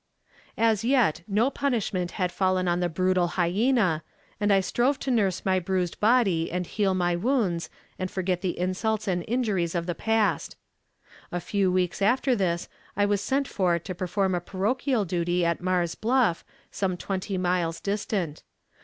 "As yet, no punishment had fallen on the brutal hyena, and I strove to nurse my bruised body and heal my wounds, and forget the insults and injuries of the past. A few weeks after this I was sent for to perform a parochial duty at Mars Bluff, some twenty miles distant.